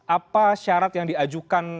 apa syarat yang diajukan